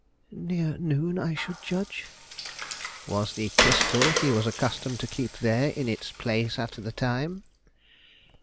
"Near noon, I should judge." "Was the pistol he was accustomed to keep there in its place at the time?"